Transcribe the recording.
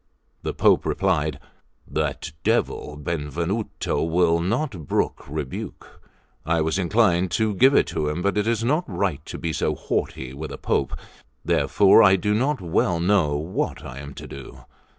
The Pope replied: "That devil Benvenuto will not brook rebuke. I was inclined to give it him, but it is not right to be so haughty with a Pope. Therefore I do not well know what I am to do."